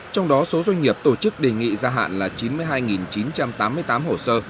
trong đó số doanh nghiệp tổ chức đề nghị gia hạn là chín mươi hai chín trăm tám mươi tám hồ sơ